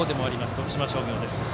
徳島商業です。